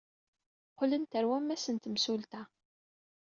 Qqlent ɣer wammas n temsulta.